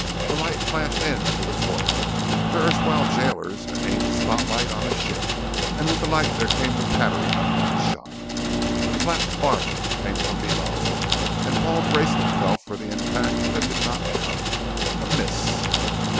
A light flashed in through the port, their erstwhile jailers had aimed a spotlight on the ship, and with the light there came the pattering of gunshot. A flat bark came from below and Paul braced himself for the impact that did not come. A miss!